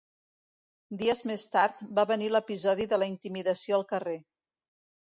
Dies més tard va venir l’episodi de la intimidació al carrer.